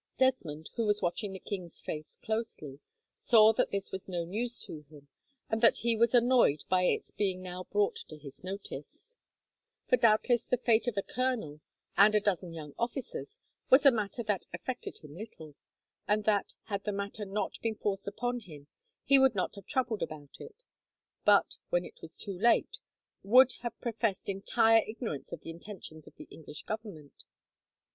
Desmond, who was watching the king's face closely, saw that this was no news to him, and that he was annoyed by its being now brought to his notice; for doubtless the fate of a colonel, and a dozen young officers, was a matter that affected him little; and that, had the matter not been forced upon him, he would not have troubled about it, but, when it was too late, would have professed entire ignorance of the intentions of the English Government.